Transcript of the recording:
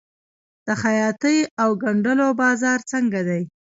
د خیاطۍ او ګنډلو بازار څنګه دی؟